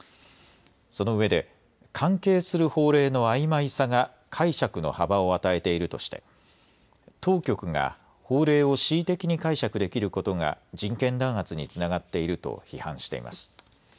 そのうえで関係する法令のあいまいさが解釈の幅を与えているとして当局が法令を恣意的に解釈できることが人権弾圧につながっていると批判しています。